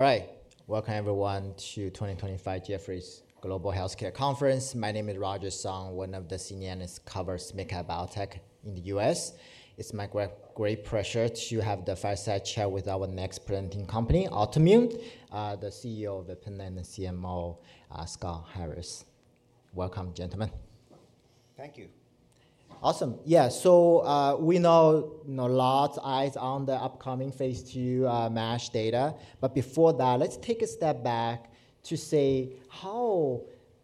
All right. Welcome, everyone, to 2025 Jefferies Global Healthcare Conference. My name is Roger Song, one of the senior analysts covering MedTech Biotech in the US. It's my great pleasure to have the fireside chat with our next presenting company, Altimmune, the CEO Vipin and CMO Scott Harris. Welcome, gentlemen. Thank you. Awesome. Yeah. We know a lot of eyes are on the upcoming phase II MASH data. Before that, let's take a step back to say how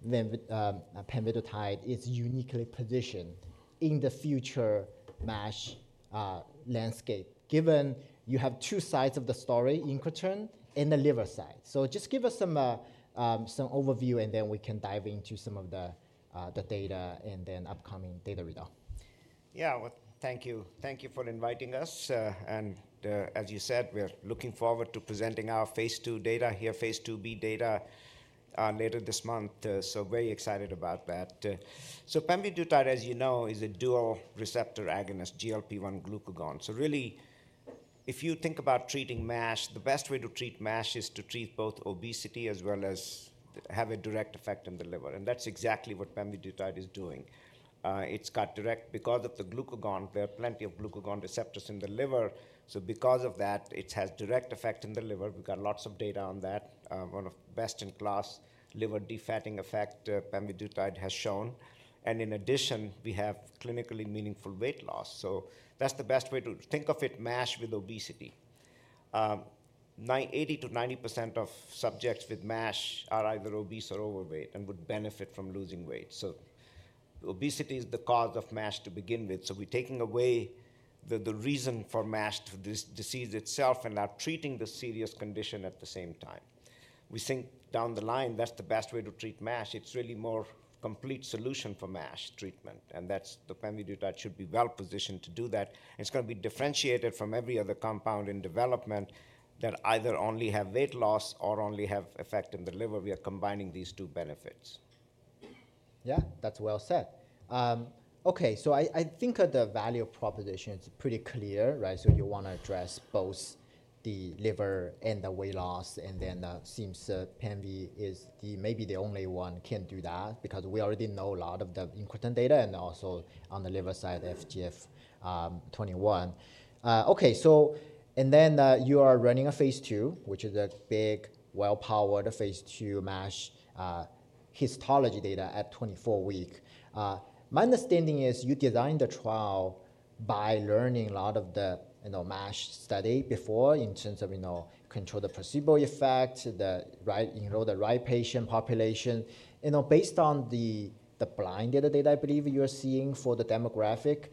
pemvidutide is uniquely positioned in the future MASH landscape, given you have two sides of the story, incretin and the liver side. Just give us some overview, and then we can dive into some of the data and then upcoming data results. Thank you. Thank you for inviting us. As you said, we're looking forward to presenting our phase II data, our phase II-B data later this month. Very excited about that. Pemvidutide, as you know, is a dual receptor agonist, GLP-1 glucagon. If you think about treating MASH, the best way to treat MASH is to treat both obesity as well as have a direct effect on the liver. That's exactly what pemvidutide is doing. It's got direct, because of the glucagon, there are plenty of glucagon receptors in the liver. Because of that, it has direct effect in the liver. We've got lots of data on that. One of the best-in-class liver defatting effects pemvidutide has shown. In addition, we have clinically meaningful weight loss. That's the best way to think of it, MASH with obesity. 80%-90% of subjects with MASH are either obese or overweight and would benefit from losing weight. Obesity is the cause of MASH to begin with. We're taking away the reason for MASH disease itself and are treating the serious condition at the same time. We think down the line, that's the best way to treat MASH. It's really more a complete solution for MASH treatment. That's the pemvidutide should be well positioned to do that. It's going to be differentiated from every other compound in development that either only have weight loss or only have effect in the liver. We are combining these two benefits. Yeah, that's well said. Okay. I think the value proposition is pretty clear, right? You want to address both the liver and the weight loss. It seems pemvi is maybe the only one who can do that because we already know a lot of the [incretin] data and also on the liver side, FGF21. Okay. You are running a phase II, which is a big, well-powered phase II MASH histology data at 24 weeks. My understanding is you designed the trial by learning a lot of the MASH study before in terms of controlled placebo effect, enroll the right patient population, based on the blind data that I believe you're seeing for the demographic.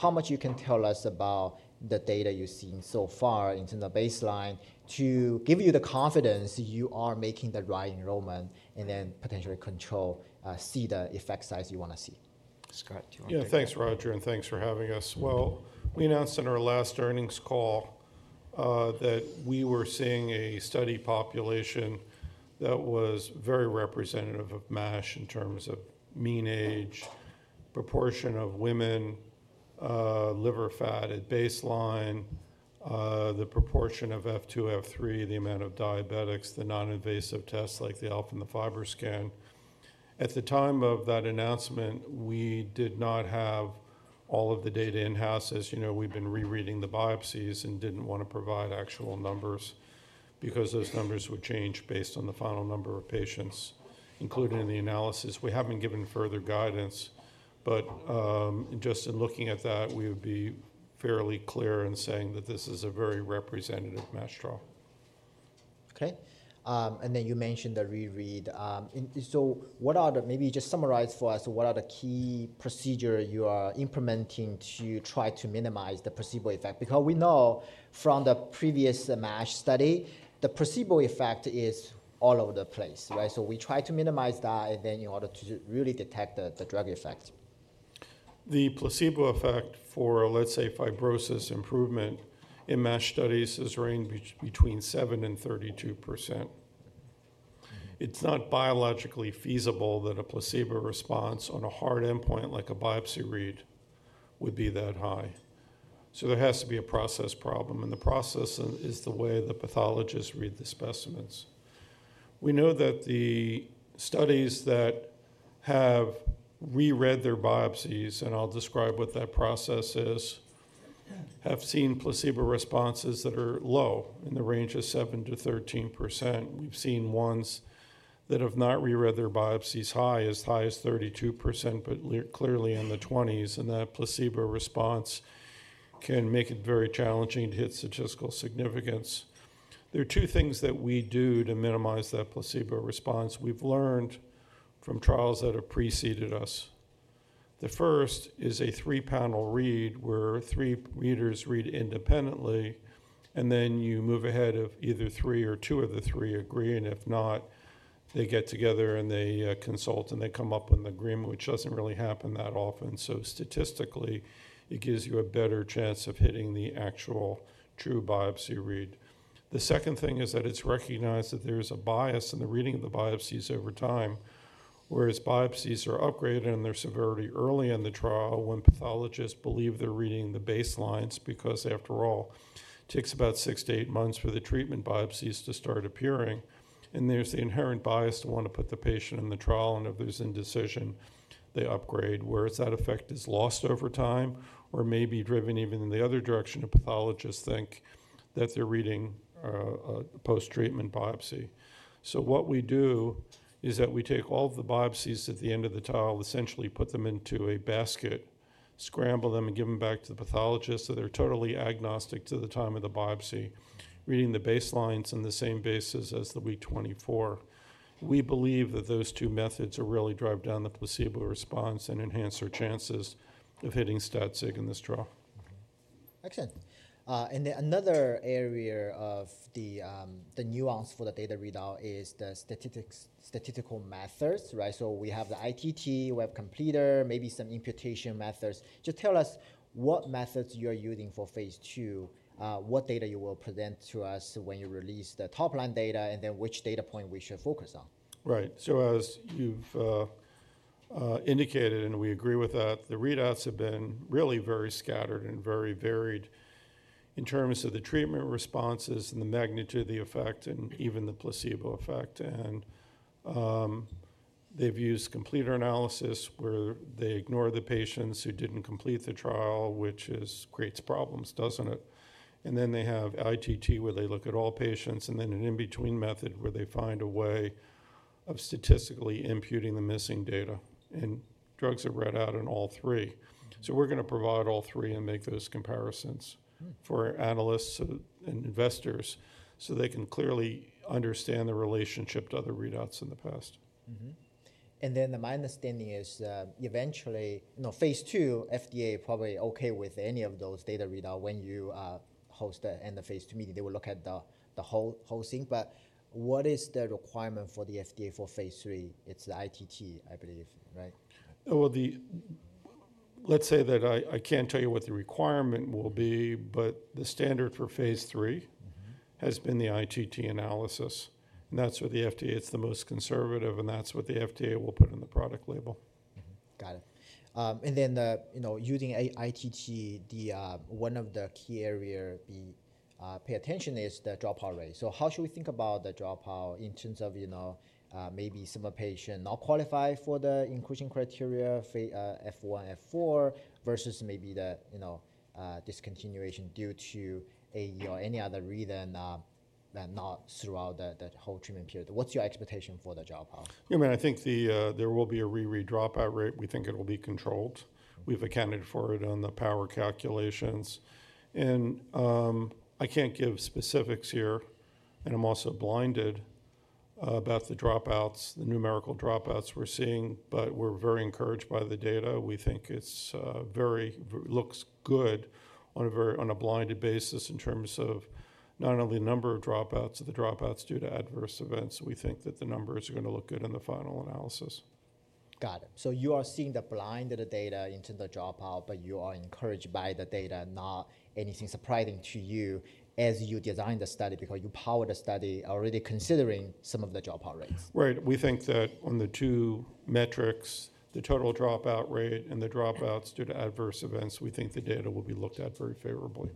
How much can you tell us about the data you've seen so far in terms of baseline to give you the confidence you are making the right enrollment and then potentially control, see the effect size you want to see? Scott, do you want to? Yeah. Thanks, Roger. Thanks for having us. We announced in our last earnings call that we were seeing a study population that was very representative of MASH in terms of mean age, proportion of women, liver fat at baseline, the proportion of F2, F3, the amount of diabetics, the non-invasive tests like the ELF and the FibroScan. At the time of that announcement, we did not have all of the data in-house. As you know, we've been rereading the biopsies and did not want to provide actual numbers because those numbers would change based on the final number of patients included in the analysis. We have not given further guidance. Just in looking at that, we would be fairly clear in saying that this is a very representative MASH trial. Okay. You mentioned the reread. What are the, maybe just summarize for us, what are the key procedures you are implementing to try to minimize the placebo effect? We know from the previous MASH study, the placebo effect is all over the place, right? We try to minimize that in order to really detect the drug effect. The placebo effect for, let's say, fibrosis improvement in MASH studies has ranged between 7% and 32%. It's not biologically feasible that a placebo response on a hard endpoint like a biopsy read would be that high. There has to be a process problem. The process is the way the pathologists read the specimens. We know that the studies that have reread their biopsies, and I'll describe what that process is, have seen placebo responses that are low in the range of 7%-13%. We've seen ones that have not reread their biopsies high, as high as 32%, but clearly in the 20s. That placebo response can make it very challenging to hit statistical significance. There are two things that we do to minimize that placebo response. We've learned from trials that have preceded us. The first is a three-panel read where three readers read independently, and then you move ahead if either three or two of the three agreeing. If not, they get together and they consult and they come up with an agreement, which does not really happen that often. Statistically, it gives you a better chance of hitting the actual true biopsy read. The second thing is that it is recognized that there is a bias in the reading of the biopsies over time, whereas biopsies are upgraded in their severity early in the trial when pathologists believe they are reading the baselines because, after all, it takes about six to eight months for the treatment biopsies to start appearing. There is the inherent bias to want to put the patient in the trial. If there is indecision, they upgrade, whereas that effect is lost over time or may be driven even in the other direction if pathologists think that they are reading a post-treatment biopsy. What we do is that we take all of the biopsies at the end of the trial, essentially put them into a basket, scramble them, and give them back to the pathologist so they are totally agnostic to the time of the biopsy, reading the baselines on the same basis as the week 24. We believe that those two methods really drive down the placebo response and enhance our chances of hitting STAT-SIG in this trial. Excellent. Another area of the nuance for the data readout is the statistical methods, right? We have the ITT, Web Completer, maybe some imputation methods. Just tell us what methods you are using for phase II, what data you will present to us when you release the top line data, and which data point we should focus on. Right. As you've indicated, and we agree with that, the readouts have been really very scattered and very varied in terms of the treatment responses and the magnitude of the effect and even the placebo effect. They've used completer analysis where they ignore the patients who did not complete the trial, which creates problems, does it not? Then they have ITT where they look at all patients, and then an in-between method where they find a way of statistically imputing the missing data. Drugs are read out in all three. We are going to provide all three and make those comparisons for analysts and investors so they can clearly understand the relationship to other readouts in the past. My understanding is eventually, phase II, FDA is probably okay with any of those data readouts when you host the end of phase II meeting. They will look at the whole thing. What is the requirement for the FDA for phase III? It's the ITT, I believe, right? I can't tell you what the requirement will be, but the standard for phase three has been the ITT analysis. That is where the FDA is the most conservative, and that is what the FDA will put on the product label. Got it. Using ITT, one of the key areas we pay attention to is the dropout rate. How should we think about the dropout in terms of maybe some patients not qualifying for the inclusion criteria F1, F4 versus maybe the discontinuation due to AE or any other reason not throughout the whole treatment period? What is your expectation for the dropout? Yeah. I mean, I think there will be a reread dropout rate. We think it will be controlled. We have a candidate for it on the power calculations. I can't give specifics here. I'm also blinded about the dropouts, the numerical dropouts we're seeing. We're very encouraged by the data. We think it looks good on a blinded basis in terms of not only the number of dropouts, the dropouts due to adverse events. We think that the numbers are going to look good in the final analysis. Got it. You are seeing the blind of the data in terms of dropout, but you are encouraged by the data, not anything surprising to you as you design the study because you power the study already considering some of the dropout rates. Right. We think that on the two metrics, the total dropout rate and the dropouts due to adverse events, we think the data will be looked at very favorably.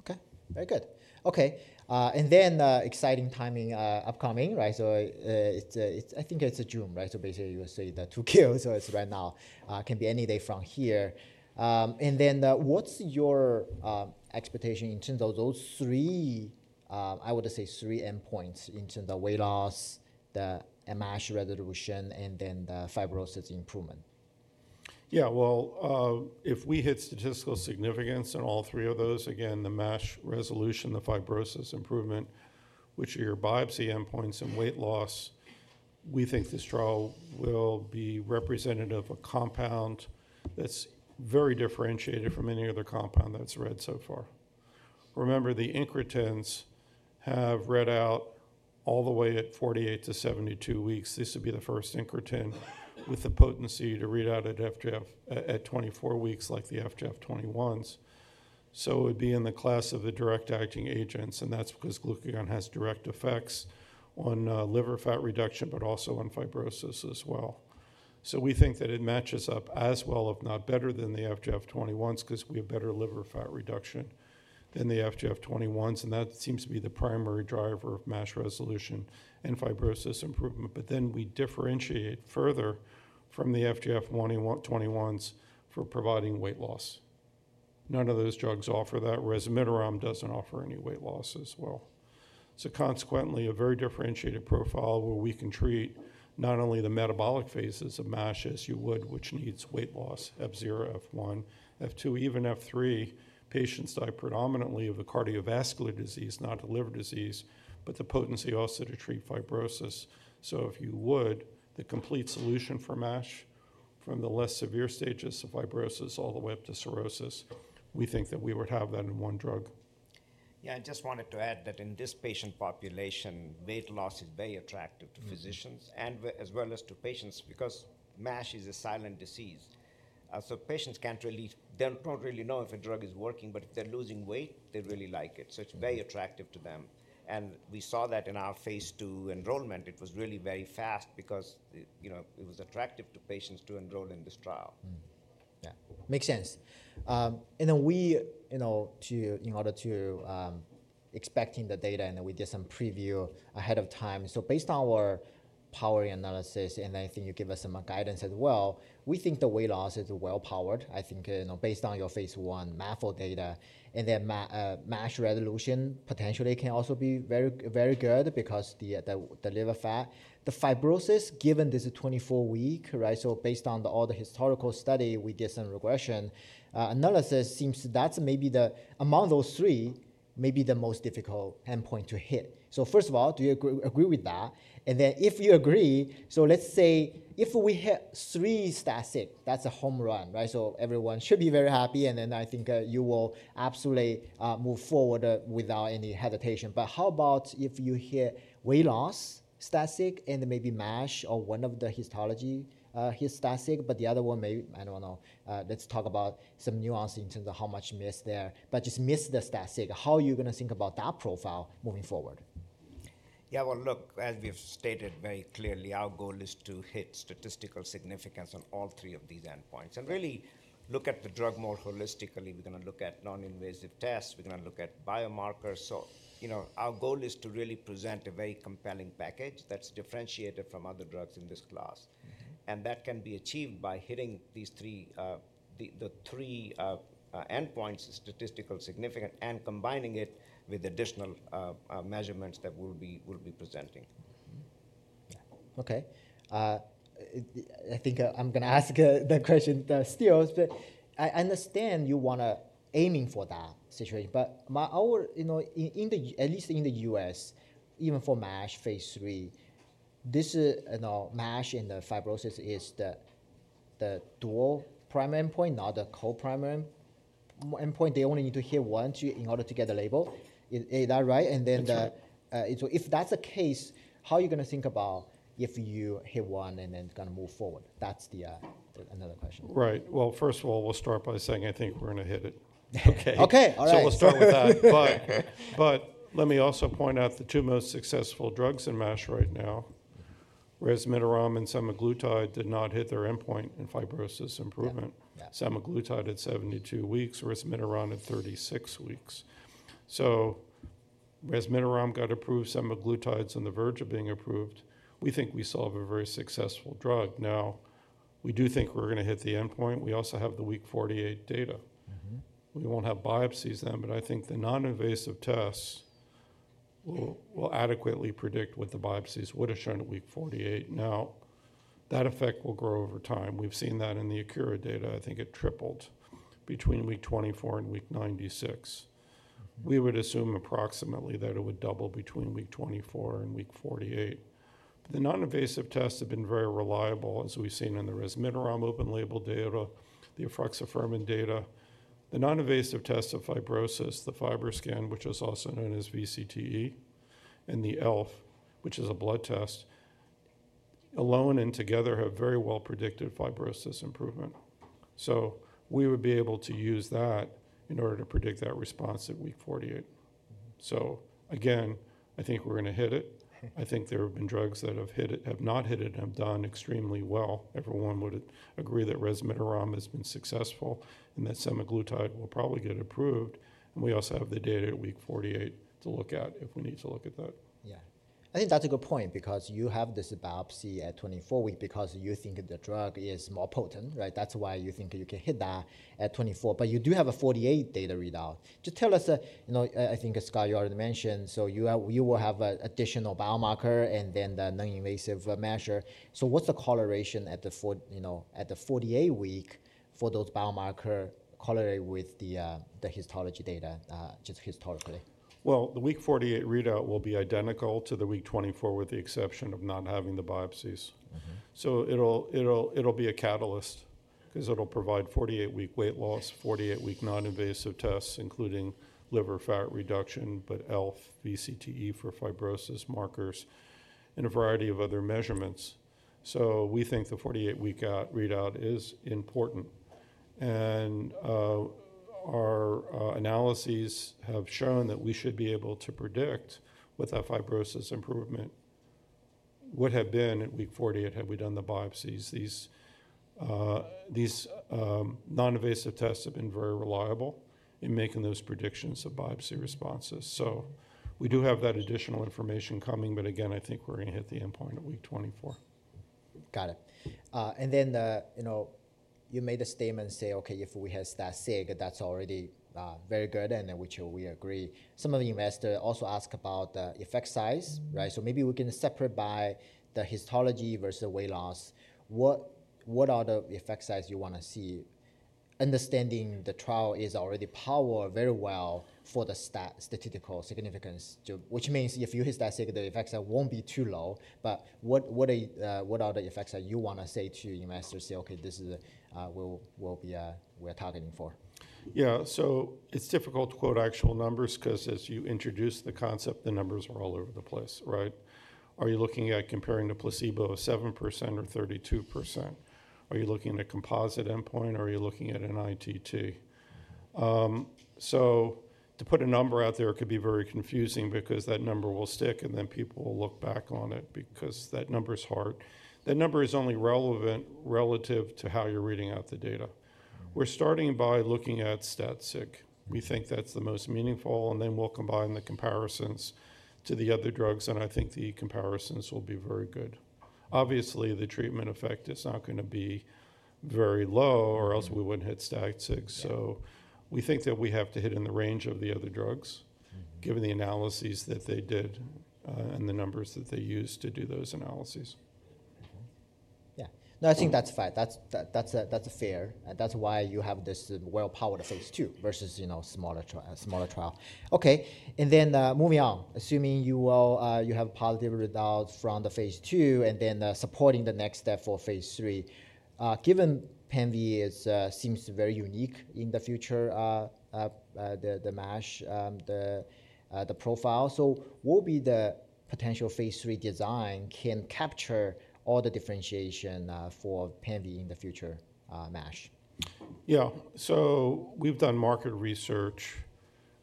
Okay. Very good. Okay. Exciting timing upcoming, right? I think it's June, right? Basically, you will see the two kills. It's right now. It can be any day from here. What's your expectation in terms of those three, I would say, three endpoints in terms of weight loss, the MASH resolution, and the fibrosis improvement? Yeah. If we hit statistical significance on all three of those, again, the MASH resolution, the fibrosis improvement, which are your biopsy endpoints, and weight loss, we think this trial will be representative of a compound that's very differentiated from any other compound that's read so far. Remember, the incretins have read out all the way at 48-72 weeks. This would be the first incretin with the potency to read out at FGF at 24 weeks like the FGF21s. It would be in the class of the direct-acting agents. That is because glucagon has direct effects on liver fat reduction, but also on fibrosis as well. We think that it matches up as well, if not better, than the FGF21s because we have better liver fat reduction than the FGF21s. That seems to be the primary driver of MASH resolution and fibrosis improvement. We differentiate further from the FGF21s for providing weight loss. None of those drugs offer that. Resmetirom doesn't offer any weight loss as well. Consequently, a very differentiated profile where we can treat not only the metabolic phases of MASH as you would, which needs weight loss, F0, F1, F2, even F3. Patients die predominantly of cardiovascular disease, not liver disease, but the potency also to treat fibrosis. If you would, the complete solution for MASH from the less severe stages of fibrosis all the way up to cirrhosis, we think that we would have that in one drug. Yeah. I just wanted to add that in this patient population, weight loss is very attractive to physicians as well as to patients because MASH is a silent disease. Patients can't really don't really know if a drug is working. If they're losing weight, they really like it. It is very attractive to them. We saw that in our phase II enrollment. It was really very fast because it was attractive to patients to enroll in this trial. Yeah. Makes sense. In order to expect the data, we did some preview ahead of time. Based on our power analysis, and I think you gave us some guidance as well, we think the weight loss is well-powered. I think based on your phase I [MAFO] data and MASH resolution potentially can also be very good because the liver fat. The fibrosis, given this is 24 weeks, right? So based on all the historical study, we did some regression analysis. Seems that's maybe among those three, maybe the most difficult endpoint to hit. First of all, do you agree with that? If you agree, let's say if we hit three STAT-SIG, that's a home run, right? Everyone should be very happy. I think you will absolutely move forward without any hesitation. How about if you hit weight loss, STAT-SIG, and maybe MASH or one of the histology here STAT-SIG, but the other one maybe I don't know. Let's talk about some nuance in terms of how much miss there. Just miss the STAT-SIG. How are you going to think about that profile moving forward? Yeah. As we've stated very clearly, our goal is to hit statistical significance on all three of these endpoints and really look at the drug more holistically. We're going to look at non-invasive tests. We're going to look at biomarkers. Our goal is to really present a very compelling package that's differentiated from other drugs in this class. That can be achieved by hitting the three endpoints, statistical significance, and combining it with additional measurements that we'll be presenting. Yeah. Okay. I think I'm going to ask the question still. I understand you want to aim for that situation. At least in the U.S., even for MASH phase III, this MASH and the fibrosis is the dual primary endpoint, not the co-primary endpoint. They only need to hit one in order to get the label. Is that right? If that's the case, how are you going to think about if you hit one and then going to move forward? That's another question. Right. First of all, I'll start by saying I think we're going to hit it. Okay. Okay. All right. We'll start with that. Let me also point out the two most successful drugs in MASH right now, resmetirom and semaglutide, did not hit their endpoint in fibrosis improvement. Semaglutide at 72 weeks, resmetirom at 36 weeks. Resmetirom got approved, semaglutide's on the verge of being approved. We think we solved a very successful drug. We do think we're going to hit the endpoint. We also have the week 48 data. We won't have biopsies then. I think the non-invasive tests will adequately predict what the biopsies would have shown at week 48. That effect will grow over time. We've seen that in the [Acura] data. I think it tripled between week 24 and week 96. We would assume approximately that it would double between week 24 and week 48. The non-invasive tests have been very reliable, as we've seen in the resmetirom open label data, the efruxifermin data, the non-invasive tests of fibrosis, the FibroScan, which is also known as VCTE, and the ELF, which is a blood test alone and together have very well predicted fibrosis improvement. We would be able to use that in order to predict that response at week 48. Again, I think we're going to hit it. I think there have been drugs that have not hit it and have done extremely well. Everyone would agree that resmetirom has been successful and that semaglutide will probably get approved. We also have the data at week 48 to look at if we need to look at that. Yeah. I think that's a good point because you have this biopsy at 24 weeks because you think the drug is more potent, right? That's why you think you can hit that at 24. You do have a 48 data readout. Just tell us, I think, Scott, you already mentioned. You will have an additional biomarker and then the non-invasive measure. What's the correlation at the 48 week for those biomarkers correlated with the histology data, just historically? The week 48 readout will be identical to the week 24 with the exception of not having the biopsies. It will be a catalyst because it will provide 48-week weight loss, 48-week non-invasive tests, including liver fat reduction, but ELF, VCTE for fibrosis markers, and a variety of other measurements. We think the 48-week readout is important. Our analyses have shown that we should be able to predict what that fibrosis improvement would have been at week 48 had we done the biopsies. These non-invasive tests have been very reliable in making those predictions of biopsy responses. We do have that additional information coming. Again, I think we're going to hit the endpoint at week 24. Got it. You made a statement and said, "Okay. If we have STAT-SIG, that's already very good," which we agree. Some of the investors also ask about the effect size, right? Maybe we can separate by the histology versus the weight loss. What are the effect size you want to see? Understanding the trial is already powered very well for the statistical significance, which means if you hit STAT-SIG, the effect size will not be too low. What are the effects that you want to say to investors, "Okay. This is what we're targeting for"? Yeah. So it's difficult to quote actual numbers because as you introduce the concept, the numbers are all over the place, right? Are you looking at comparing to placebo of 7% or 32%? Are you looking at a composite endpoint? Are you looking at an ITT? To put a number out there, it could be very confusing because that number will stick, and then people will look back on it because that number is hard. That number is only relevant relative to how you're reading out the data. We're starting by looking at STAT-SIG. We think that's the most meaningful. Then we'll combine the comparisons to the other drugs. I think the comparisons will be very good. Obviously, the treatment effect is not going to be very low or else we wouldn't hit STAT-SIG. We think that we have to hit in the range of the other drugs given the analyses that they did and the numbers that they used to do those analyses. Yeah. No, I think that's fair. That's fair. That's why you have this well-powered phase II versus smaller trial. Okay. And then moving on, assuming you have positive results from the phase II and then supporting the next step for phase III, given pembi seems very unique in the future, the MASH, the profile, so what will be the potential phase III design can capture all the differentiation for pemvi in the future MASH? Yeah. So we've done market research,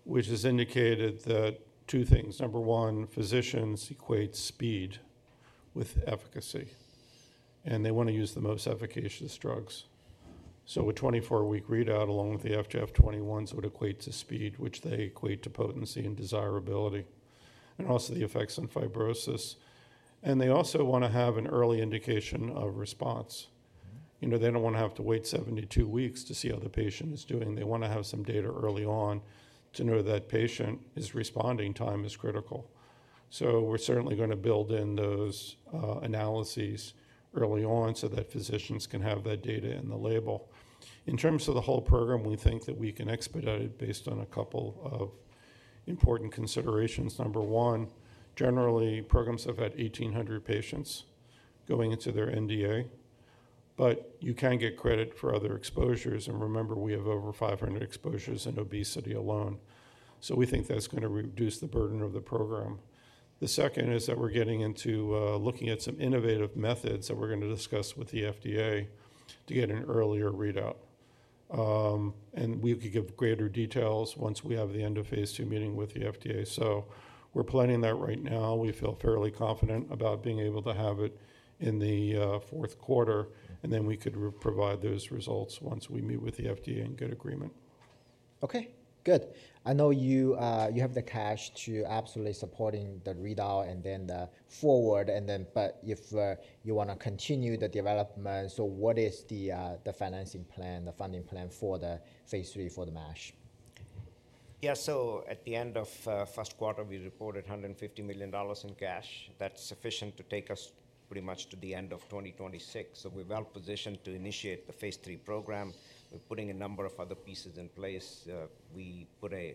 which has indicated two things. Number one, physicians equate speed with efficacy. They want to use the most efficacious drugs. A 24-week readout along with the FGF21s would equate to speed, which they equate to potency and desirability, and also the effects on fibrosis. They also want to have an early indication of response. They do not want to have to wait 72 weeks to see how the patient is doing. They want to have some data early on to know that patient is responding. Time is critical. We are certainly going to build in those analyses early on so that physicians can have that data in the label. In terms of the whole program, we think that we can expedite it based on a couple of important considerations. Number one, generally, programs have had 1,800 patients going into their NDA. You can get credit for other exposures. Remember, we have over 500 exposures in obesity alone. We think that's going to reduce the burden of the program. The second is that we're getting into looking at some innovative methods that we're going to discuss with the FDA to get an earlier readout. We could give greater details once we have the end of phase II meeting with the FDA. We're planning that right now. We feel fairly confident about being able to have it in the fourth quarter. We could provide those results once we meet with the FDA and get agreement. Okay. Good. I know you have the cash to absolutely supporting the readout and then the forward. If you want to continue the development, what is the financing plan, the funding plan for the phase three for the MASH? Yeah. At the end of first quarter, we reported $150 million in cash. That's sufficient to take us pretty much to the end of 2026. We are well positioned to initiate the phase three program. We are putting a number of other pieces in place. We put a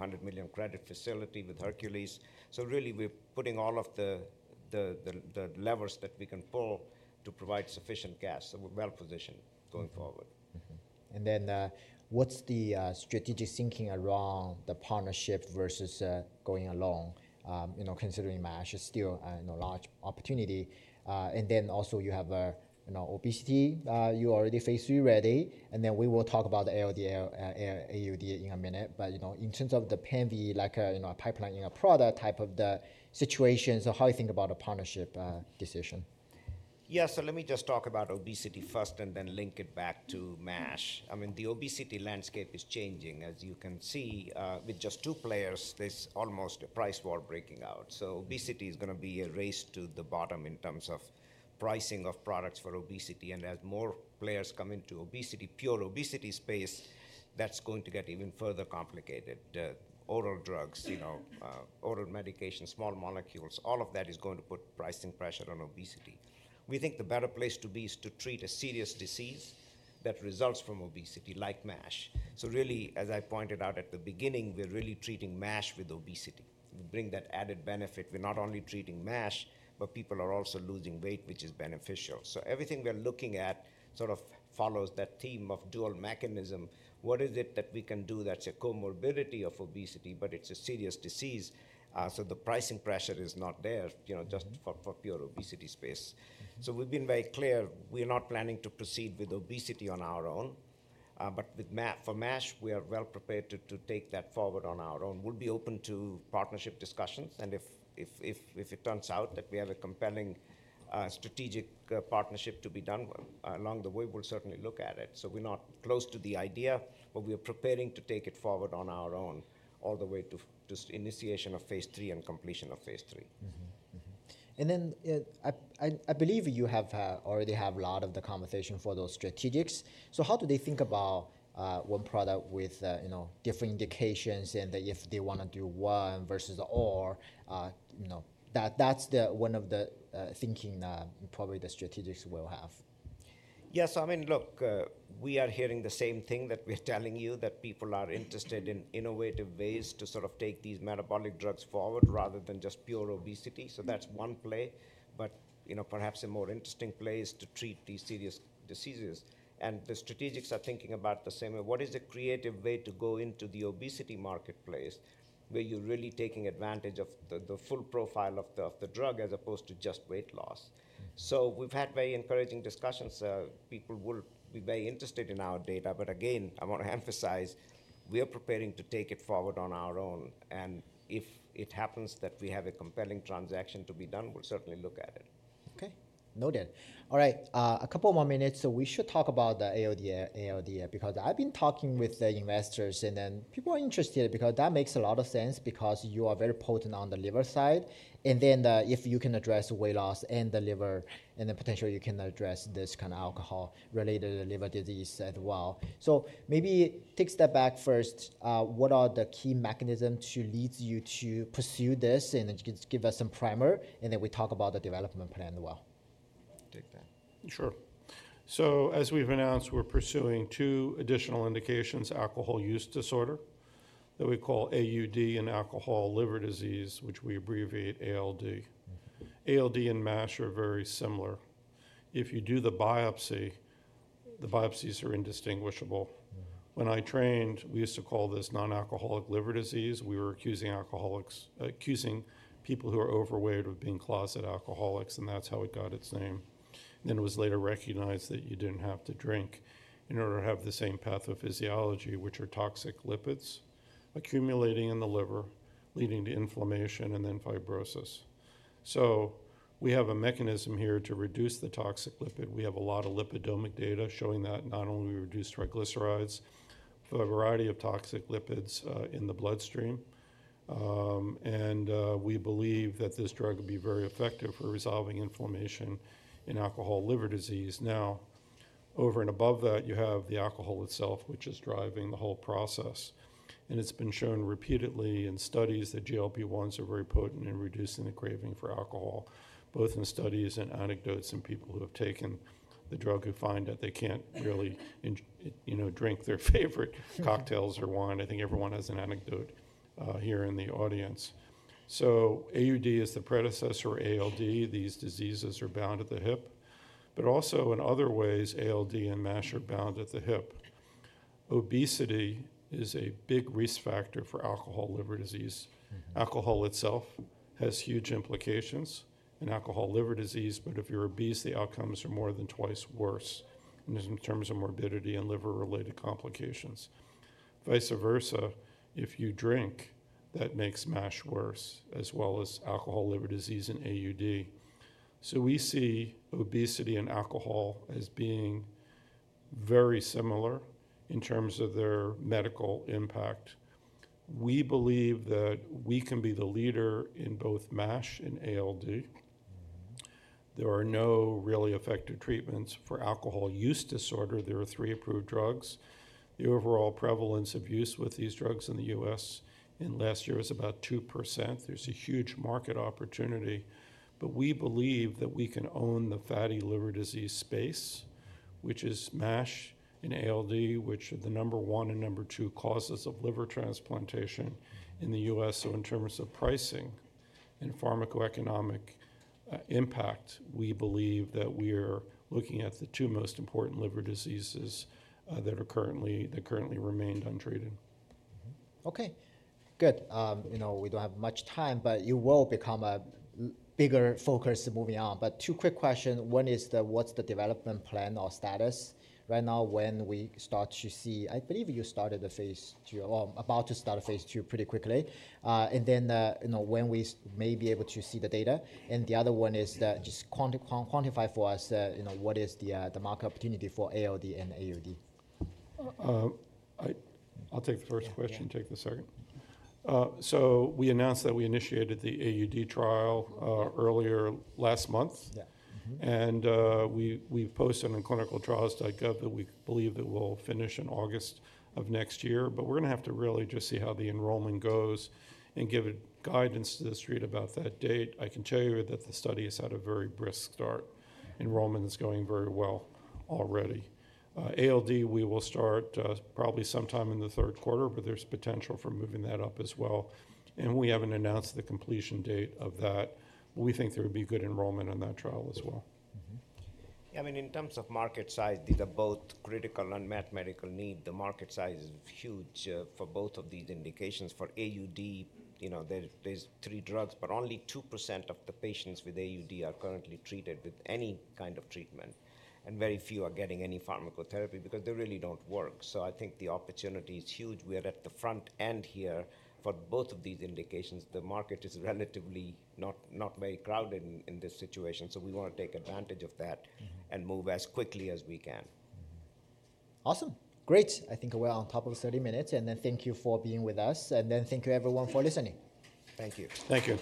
$100 million credit facility with Hercules. We are putting all of the levers that we can pull to provide sufficient cash. We are well positioned going forward. What is the strategic thinking around the partnership versus going alone, considering MASH is still a large opportunity? Also, you have obesity. You are already phase three ready. We will talk about the ALD in a minute. In terms of the pemvi, like a pipeline in a product type of the situation, how do you think about the partnership decision? Yeah. Let me just talk about obesity first and then link it back to MASH. I mean, the obesity landscape is changing. As you can see, with just two players, there is almost a price war breaking out. Obesity is going to be a race to the bottom in terms of pricing of products for obesity. As more players come into pure obesity space, that is going to get even further complicated. Oral drugs, oral medications, small molecules, all of that is going to put pricing pressure on obesity. We think the better place to be is to treat a serious disease that results from obesity like MASH. As I pointed out at the beginning, we're really treating MASH with obesity. We bring that added benefit. We're not only treating MASH, but people are also losing weight, which is beneficial. Everything we're looking at sort of follows that theme of dual mechanism. What is it that we can do that's a comorbidity of obesity, but it's a serious disease? The pricing pressure is not there just for pure obesity space. We've been very clear. We're not planning to proceed with obesity on our own. For MASH, we are well prepared to take that forward on our own. We'll be open to partnership discussions. If it turns out that we have a compelling strategic partnership to be done along the way, we'll certainly look at it. We're not close to the idea, but we are preparing to take it forward on our own all the way to initiation of phase III and completion of phase III. I believe you already have a lot of the conversation for those strategics. How do they think about one product with different indications and if they want to do one versus all? That's one of the thinking probably the strategics will have. Yeah. I mean, look, we are hearing the same thing that we're telling you, that people are interested in innovative ways to sort of take these metabolic drugs forward rather than just pure obesity. That's one play. Perhaps a more interesting play is to treat these serious diseases. The strategics are thinking about the same way. What is a creative way to go into the obesity marketplace where you're really taking advantage of the full profile of the drug as opposed to just weight loss? We have had very encouraging discussions. People will be very interested in our data. I want to emphasize, we are preparing to take it forward on our own. If it happens that we have a compelling transaction to be done, we will certainly look at it. Noted. A couple more minutes. We should talk about the ALD because I have been talking with the investors, and people are interested because that makes a lot of sense because you are very potent on the liver side. If you can address weight loss and the liver, and potentially you can address this kind of alcohol-related liver disease as well. Maybe take a step back first. What are the key mechanisms to lead you to pursue this? And then you can give us some primer, and then we talk about the development plan as well. Take that. Sure. As we've announced, we're pursuing two additional indications: alcohol use disorder that we call AUD and alcohol liver disease, which we abbreviate ALD. ALD and MASH are very similar. If you do the biopsy, the biopsies are indistinguishable. When I trained, we used to call this non-alcoholic liver disease. We were accusing people who are overweight of being closet alcoholics, and that's how it got its name. It was later recognized that you didn't have to drink in order to have the same pathophysiology, which are toxic lipids accumulating in the liver, leading to inflammation and then fibrosis. We have a mechanism here to reduce the toxic lipid. We have a lot of lipidomic data showing that not only reduced triglycerides, but a variety of toxic lipids in the bloodstream. We believe that this drug would be very effective for resolving inflammation in alcohol liver disease. Over and above that, you have the alcohol itself, which is driving the whole process. It has been shown repeatedly in studies that GLP-1s are very potent in reducing the craving for alcohol, both in studies and anecdotes in people who have taken the drug who find that they cannot really drink their favorite cocktails or wine. I think everyone has an anecdote here in the audience. AUD is the predecessor of ALD. These diseases are bound at the hip. Also, in other ways, ALD and MASH are bound at the hip. Obesity is a big risk factor for alcohol liver disease. Alcohol itself has huge implications in alcohol liver disease. If you are obese, the outcomes are more than twice worse in terms of morbidity and liver-related complications. Vice versa, if you drink, that makes MASH worse as well as alcohol liver disease and AUD. We see obesity and alcohol as being very similar in terms of their medical impact. We believe that we can be the leader in both MASH and ALD. There are no really effective treatments for alcohol use disorder. There are three approved drugs. The overall prevalence of use with these drugs in the U.S. in the last year is about 2%. There is a huge market opportunity. We believe that we can own the fatty liver disease space, which is MASH and ALD, which are the number one and number two causes of liver transplantation in the U.S. In terms of pricing and pharmacoeconomic impact, we believe that we are looking at the two most important liver diseases that currently remain untreated. Okay. Good. We do not have much time, but you will become a bigger focus moving on. Two quick questions. One is, what is the development plan or status right now when we start to see? I believe you started the phase II or are about to start phase II pretty quickly. When we may be able to see the data? The other one is just quantify for us what is the market opportunity for ALD and AUD. I will take the first question. Take the second. We announced that we initiated the AUD trial earlier last month. We have posted on clinicaltrials.gov, but we believe that we will finish in August of next year. We are going to have to really just see how the enrollment goes and give guidance to the street about that date. I can tell you that the study has had a very brisk start. Enrollment is going very well already. ALD, we will start probably sometime in the third quarter, but there is potential for moving that up as well. We have not announced the completion date of that. We think there would be good enrollment on that trial as well. Yeah. I mean, in terms of market size, these are both critical and mathematical needs. The market size is huge for both of these indications. For AUD, there are three drugs, but only 2% of the patients with AUD are currently treated with any kind of treatment. And very few are getting any pharmacotherapy because they really do not work. I think the opportunity is huge. We are at the front end here for both of these indications. The market is relatively not very crowded in this situation. We want to take advantage of that and move as quickly as we can. Awesome. Great. I think we are on top of the 30 minutes. Thank you for being with us. Thank you, everyone, for listening. Thank you. Thank you.